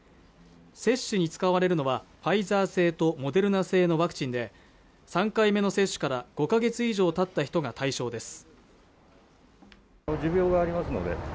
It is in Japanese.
接種に使われるのはファイザー製とモデルナ製のワクチンで３回目の接種から５か月以上たった人が対象です